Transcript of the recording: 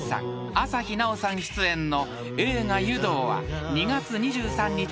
［朝日奈央さん出演の映画『湯道』は２月２３日公開です。